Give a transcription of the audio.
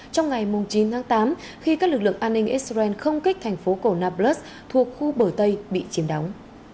trong ngày chín tháng tám khi các lực lượng an ninh israel không kích thành phố cổ nablus thuộc khu bờ tây bị chiếm đóng